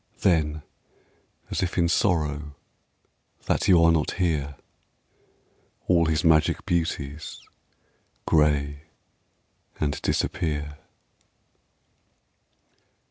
Then, as if in sorrow That you are not here, All his magic beauties Gray and disappear.